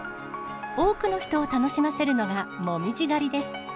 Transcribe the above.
多くの人を楽しませるのが紅葉狩りです。